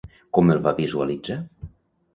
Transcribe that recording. Com el va visualitzar?